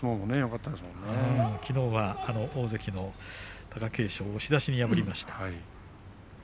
きのうは大関の貴景勝を押し出しで破りました。